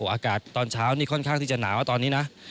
อากาศตอนเช้านี่ค่อนข้างที่จะหนาวตอนนี้นะ